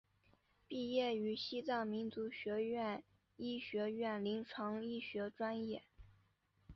毕业于西藏民族学院医学院临床医学专业。